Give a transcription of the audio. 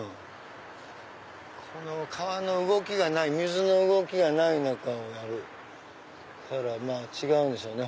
この川の動きがない水の動きがない中をやるから違うんでしょうね